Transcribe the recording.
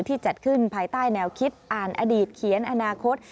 จัดขึ้นภายใต้แนวคิดอ่านอดีตเขียนอนาคต